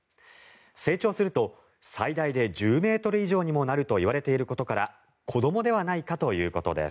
成長すると最大で１０ｍ以上にもなるといわれていることから子どもではないかということです。